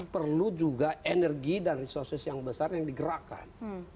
perlu juga energi dan resources yang besar yang digerakkan